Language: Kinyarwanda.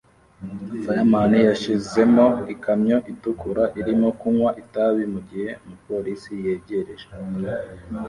Fireman yashizemo ikamyo itukura irimo kunywa itabi mugihe umupolisi yegereje